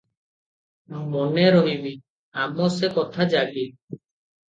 ମନେ ରହିବି ଆମ ସେ କଥା ଜାଗି ।